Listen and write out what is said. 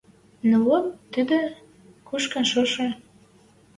Но вот тидӹ... Кушкын шошы